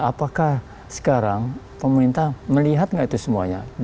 apakah sekarang pemerintah melihat nggak itu semuanya